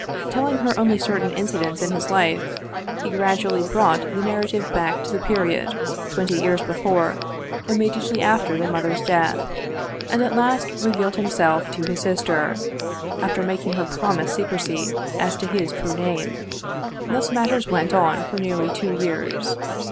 Telling her only certain incidents of his life, he gradually brought the narrative back to the period, twenty years before, immediately after their mother's death, and at last revealed himself to his sister, after making her promise secrecy as to his true name. Thus matters went on for nearly two years.